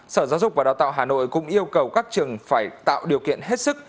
sở giáo dục và đào tạo hà nội cũng yêu cầu các trường phải tạo điều kiện hết sức